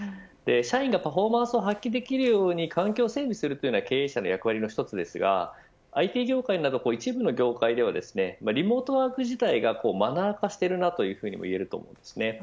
社員がパフォーマンスを発揮できるように環境を整備するのは経営者の役割の一つですがＩＴ業界など一部の業界ではリモートワーク自体がマナー化していると言えると思います。